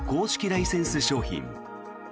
ライセンス商品。